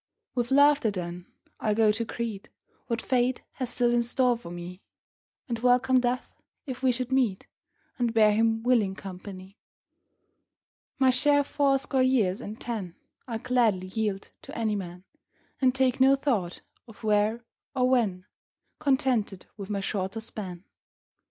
With laughter, then, I'll go to greet What Fate has still in store for me, And welcome Death if we should meet, And bear him willing company. My share of fourscore years and ten I'll gladly yield to any man, And take no thought of " where " or " when," Contented with my shorter span.